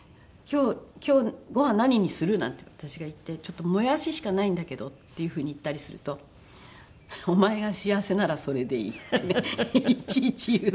「今日ごはん何にする？」なんて私が言って「モヤシしかないんだけど」っていう風に言ったりすると「お前が幸せならそれでいい」っていちいち言う。